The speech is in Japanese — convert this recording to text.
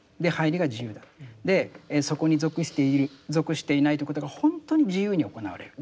でそこに属している属していないということが本当に自由に行われる。